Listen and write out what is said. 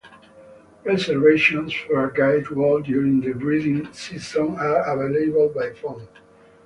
Reservations for a guided walk during the breeding season are available by phone.